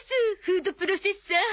フードプロセッサー。